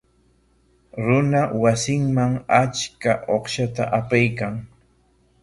Runa wasinman achka uqshata apaykan.